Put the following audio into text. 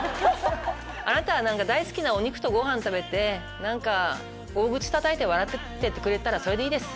あなたは大好きなお肉とご飯食べて大口たたいて笑っててくれたらそれでいいです。